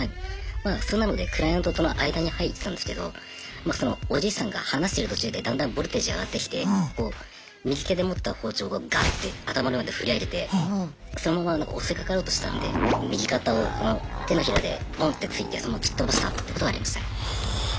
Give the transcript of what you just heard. まあそんなのでクライアントとの間に入ってたんですけどそのおじいさんが話してる途中でだんだんボルテージ上がってきて右手で持った包丁をガッて頭の上まで振り上げてそのまま襲いかかろうとしたんで右肩をこの手のひらでボンって突いて突き飛ばしたことはありましたね。